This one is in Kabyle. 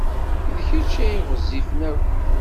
D kečč ay ɣezzifen akk.